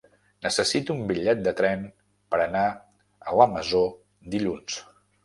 Necessito un bitllet de tren per anar a la Masó dilluns.